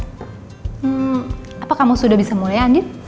hmm apa kamu sudah bisa mulai andip